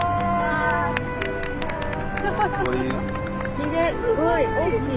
きれいすごい大きい。